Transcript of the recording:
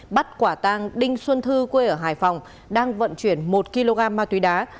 bắt quả tang đinh xuân thư quê ở hải phòng đang vận chuyển một kg ma túy đá